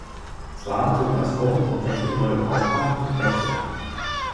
Zwar zog das Forum tatsächlich neue Kaufkraft nach Wetzlar.